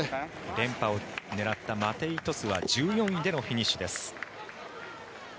連覇を狙ったマテイ・トスは１４位でのフィニッシュです。